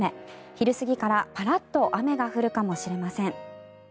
昼過ぎから、パラッと雨が降るかもしれません。